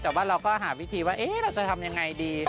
แต่ว่าเราก็หาวิธีว่าเราจะทำยังไงดี